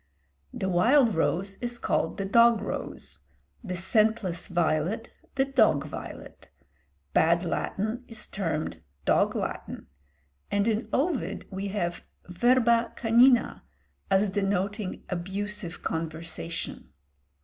The wild rose is called the dog rose, the scentless violet the dog violet; bad Latin is termed dog Latin; and in Ovid we have verba canina as denoting abusive conversation.